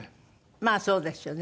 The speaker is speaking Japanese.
まあそうですよね。